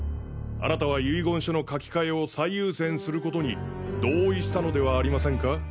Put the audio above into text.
あなたは遺言書の書き換えを最優先することに同意したのではありませんか？